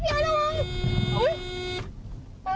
เฮ้ยไอ้พี่ไอ้ระวัง